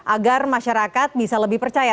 agar masyarakat bisa lebih percaya